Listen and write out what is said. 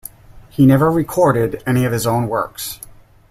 He never recorded any of his own works.